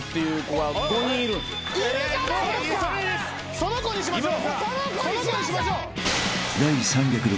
その子にしましょう。